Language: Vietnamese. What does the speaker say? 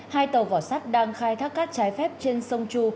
hai tàu vỏ sắt đang khai thác cát trái phép trên sông chu